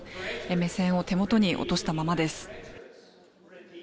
目線を手元に落としたままです。